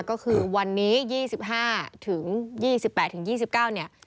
ก็คือวันนี้๒๕๒๘๒๙เนี่ย